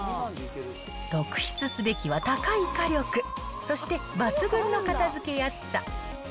特筆すべきは高い火力、そして抜群の片づけやすさ。